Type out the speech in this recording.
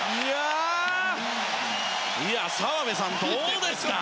澤部さん、どうですか？